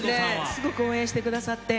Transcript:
すごく応援してくださって。